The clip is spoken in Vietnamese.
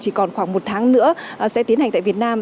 chỉ còn khoảng một tháng nữa sẽ tiến hành tại việt nam